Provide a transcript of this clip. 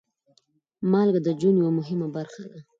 مالګه د ژوند یوه مهمه برخه ده.